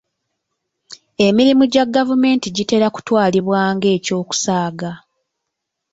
Emirimu gya gavumenti gitera kutwalibwa ng'eky'okusaaga.